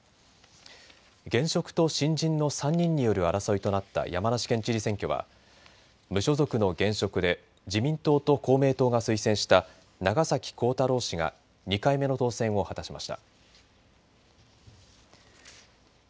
現職と新人の３人による争いとなった山梨県知事選挙は無所属の現職で自民党と公明党が推薦した長崎幸太郎氏が２回目の当選を果たしました。